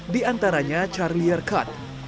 di antaranya charlier cut